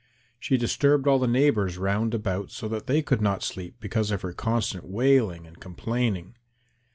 She disturbed all the neighbours round about so that they could not sleep because of her constant wailing and complaining.